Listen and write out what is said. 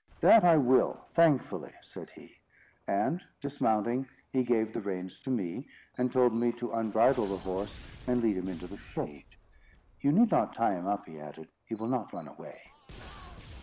"That I will, thankfully," said he; and, dismounting, he gave the reins to me, and told me to unbridle the horse, and lead him into the shade. "You need not tie him up," he added; "he will not run away."